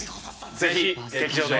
ぜひ劇場で。